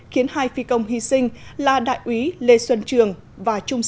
khiến hai phi công hy sinh là đại úy lê xuân trường và trung sĩ